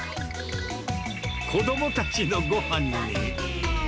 子どもたちのごはんに。